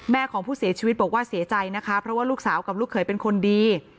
ของผู้เสียชีวิตบอกว่าเสียใจนะคะเพราะว่าลูกสาวกับลูกเขยเป็นคนดี